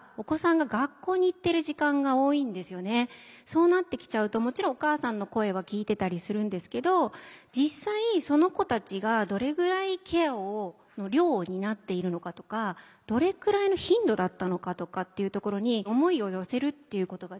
そうなってきちゃうともちろんお母さんの声は聞いてたりするんですけど実際その子たちがどれぐらいケアを量を担っているのかとかどれくらいの頻度だったのかとかっていうところに思いを寄せるっていうことができていない。